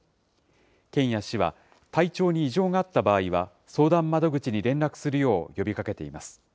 県や市は、体調に異常があった場合は、相談窓口に連絡するよう呼びかけています。